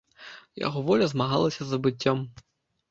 Яго воля змагалася з забыццём.